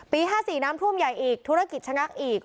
๕๔น้ำท่วมใหญ่อีกธุรกิจชะงักอีก